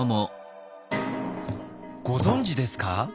ご存じですか？